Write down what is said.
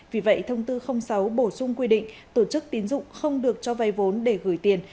vì vậy thông tư sáu bổ sung quy định tổ chức tín dụng không được cho vay vốn để gửi tiền